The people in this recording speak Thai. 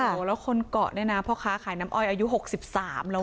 โอ้โหแล้วคนเกาะเนี่ยนะพ่อค้าขายน้ำอ้อยอายุ๖๓แล้ว